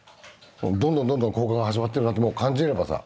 どんどんどんどん硬化が始まってるなんてもう感じればさ。